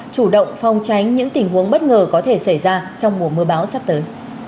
chủ động phong tránh những tình huống bất ngờ có thể xảy ra trong mùa mưa bão sắp tới